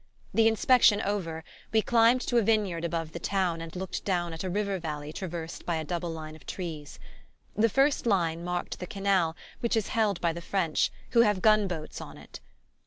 The inspection over, we climbed to a vineyard above the town and looked down at a river valley traversed by a double line of trees. The first line marked the canal, which is held by the French, who have gun boats on it.